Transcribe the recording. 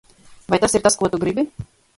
Vai tas ir tas, ko tu gribi?